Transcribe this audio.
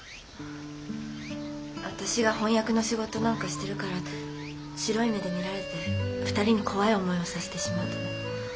私が翻訳の仕事なんかしてるから白い目で見られて２人に怖い思いをさせてしまったの。